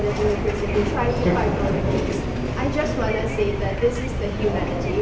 แล้ววิธีภาพจะเรียกต่อต้มเทอมความประเทศไทยถึงไหน